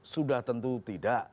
sudah tentu tidak